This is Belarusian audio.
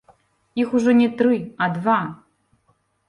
Іх ужо не тры, а два.